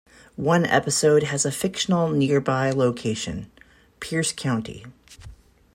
One episode has a fictional nearby location - "Pierce County".